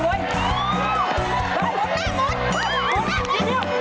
หมดแม่หมด